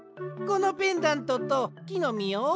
このペンダントときのみを？